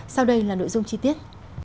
sau đây là nội dung chi tiết